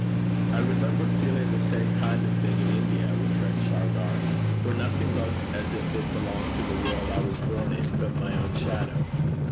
'I remember feeling the same kind of thing in India,' returned Shargar, 'where nothing looked as if it belonged to the world I was born in, but my own shadow.